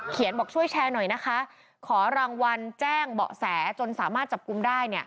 บอกช่วยแชร์หน่อยนะคะขอรางวัลแจ้งเบาะแสจนสามารถจับกลุ่มได้